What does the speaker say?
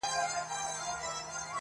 خو وجدان يې ورسره دی تل,